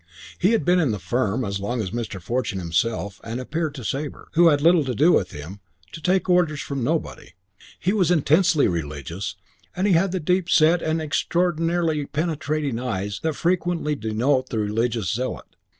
He had been in the firm as long as Mr. Fortune himself and appeared to Sabre, who had little to do with him, to take orders from nobody. He was intensely religious and he had the deep set and extraordinarily penetrating eyes that frequently denote the religious zealot.